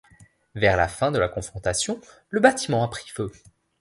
Vers la fin de la confrontation, le bâtiment a pris feu.